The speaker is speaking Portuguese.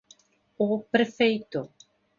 o prefeito;